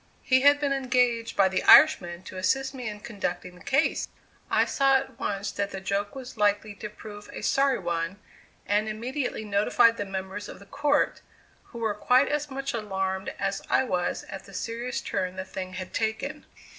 He had been engaged by the Irishman to assist me in conducting the case! I saw at once that the joke was likely to prove a sorry one, and immediately notified the members of the "court," who were quite as much alarmed as I was at the serious turn the thing had taken.